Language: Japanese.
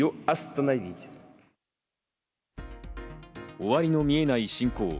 終わりの見えない侵攻。